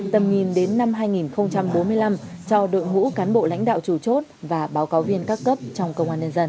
tầm nhìn đến năm hai nghìn bốn mươi năm cho đội ngũ cán bộ lãnh đạo chủ chốt và báo cáo viên các cấp trong công an nhân dân